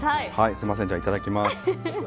すみません、いただきます。